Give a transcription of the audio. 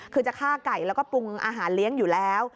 คือจะฆ่าไก่แล้วก็ปรุงอาหารเลี้ยงอยู่แล้ว